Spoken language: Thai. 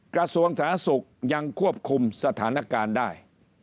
กระทรวงสาธารณสุขยังควบคุมสถานการณ์ได้